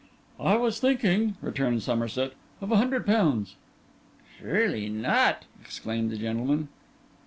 'I was thinking,' returned Somerset, 'of a hundred pounds.' 'Surely not,' exclaimed the gentleman.